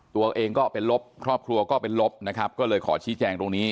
ตัวเองก็เป็นลบครอบครัวก็เป็นลบนะครับก็เลยขอชี้แจงตรงนี้